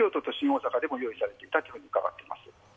大阪にも用意されていたと伺っています。